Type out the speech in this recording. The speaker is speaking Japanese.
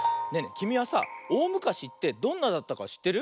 きみはさおおむかしってどんなだったかしってる？